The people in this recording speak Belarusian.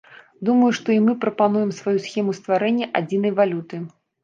Думаю, што і мы прапануем сваю схему стварэння адзінай валюты.